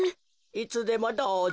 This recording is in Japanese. いつでもどうぞ。